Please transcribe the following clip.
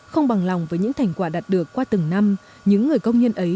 không bằng lòng với những thành quả đạt được qua từng năm những người công nhân ấy